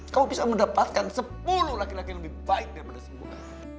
kamu bisa mendapatkan sepuluh laki laki yang lebih baik daripada semua